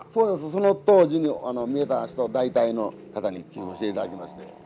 その当時に見えた人大体の方に寄付していただきまして。